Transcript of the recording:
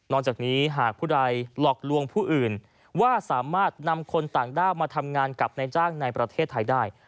จากนี้หากผู้ใดหลอกลวงผู้อื่นว่าสามารถนำคนต่างด้าวมาทำงานกับนายจ้างในประเทศไทยได้